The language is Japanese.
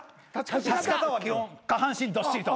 立ち方は基本下半身どっしりと。